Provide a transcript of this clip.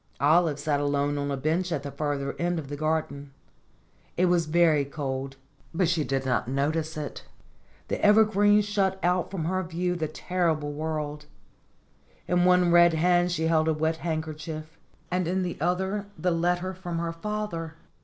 Olive sat alone on a bench at the further end of the garden. It was very cold, but she did not notice it; the 126 STORIES WITHOUT TEARS evergreens shut out from her view the terrible world. In one red hand she held a wet handkerchief, and in the other the letter from her father.